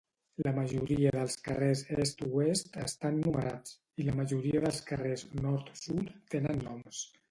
La majoria dels carrers est-oest estan numerats, i la majoria dels carrers nord-sud tenen noms.